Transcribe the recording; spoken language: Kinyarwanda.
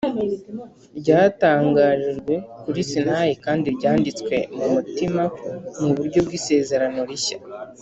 ryatangarijwe kuri sinayi kandi ryanditswe mu mutima mu buryo bw’isezerano rishya